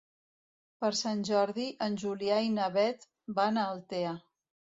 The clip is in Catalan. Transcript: Per Sant Jordi en Julià i na Beth van a Altea.